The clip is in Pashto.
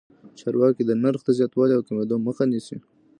چارواکي د نرخ د زیاتوالي او کمېدو مخه نیسي.